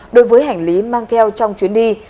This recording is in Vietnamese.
đối với hành lý mang theo trong chuyến đi